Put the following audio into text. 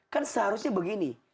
kan seharusnya begini